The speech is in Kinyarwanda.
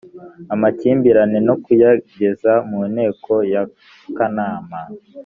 amakimbirane no kuyageza mu nteko ya kanama